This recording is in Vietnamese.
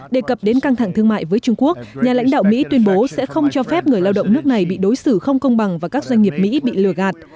đề cập đến căng thẳng thương mại với trung quốc nhà lãnh đạo mỹ tuyên bố sẽ không cho phép người lao động nước này bị đối xử không công bằng và các doanh nghiệp mỹ bị lừa gạt